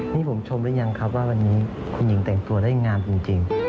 นี่ผมชมหรือยังครับว่าวันนี้คุณหญิงแต่งตัวได้งามจริง